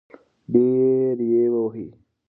ډېر يې ووهی .